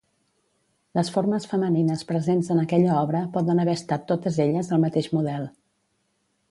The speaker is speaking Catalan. Les formes femenines presents en aquella obra poden haver estat totes elles el mateix model.